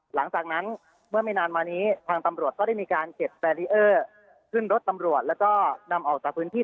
หลังจากนั้นเมื่อไม่นานมานี้ทางตำรวจก็ได้มีการเก็บแบรีเออร์ขึ้นรถตำรวจแล้วก็นำออกจากพื้นที่